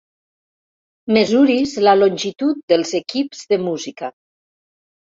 Mesuris la longitud dels equips de música.